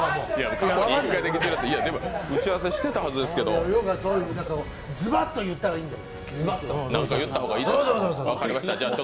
打ち合わせしてたはずですけど何か、ズバッと言ったらいいんだよ。